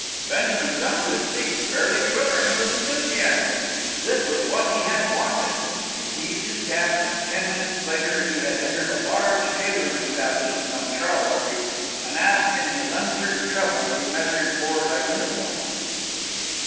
Benjamin jumped to his feet fairly quivering with enthusiasm. This was what he had wanted. He seized his cap, and ten minutes later he had entered a large tailoring establishment on Charles Street, and asked in his uncertain treble to be measured for a uniform.